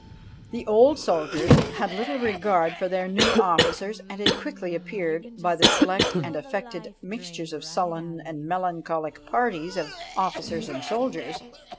The old soldiers had little regard for their new officers; and it quickly appeared, by the select and affected mixtures of sullen and melancholic parties of officers and soldiers."